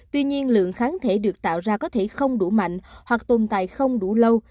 tuy nhiên lượng kháng thể được tạo ra có thể không đủ mạnh hoặc tồn tại không đủ lâu